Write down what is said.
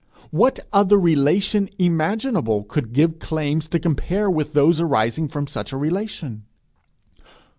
What other relation imaginable could give claims to compare with those arising from such a relation?